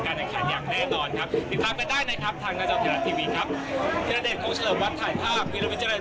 บีรณวิเจริญเชื้อข่าวไทยรัฐทีวีรายงานจากสนามมหาวิทยาลัยธรรมศาสตร์สมรักษีครับ